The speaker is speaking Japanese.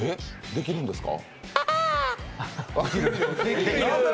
できるんですか。